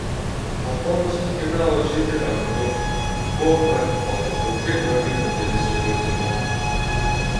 Холбооноос Таканоивад шийтгэл оногдуулж, Фүкүокад болох өвлийн тойргийн тэмцээнээс чөлөөлсөн байна.